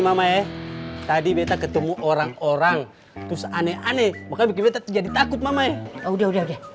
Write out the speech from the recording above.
mama eh tadi betah ketemu orang orang terus aneh aneh makanya jadi takut mama udah udah